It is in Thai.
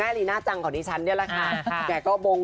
แล้วก็พาคุณแม่เค้าไปดู